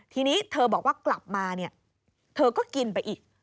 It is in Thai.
ทีนี้เธอบอกว่ากลับมาเนี่ยเธอก็กินไปอีก